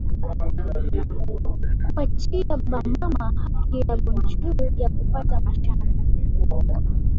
kupachiya ba mama haki yabo njuu ya kupata mashamba